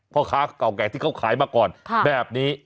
พ่อค้าเก่าแก่ที่เขาขายมาก่อนแบบนี้